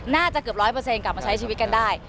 น่าจะเกือบ๑๐๐กลับมาใช้ชีวิตกันได้